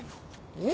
え？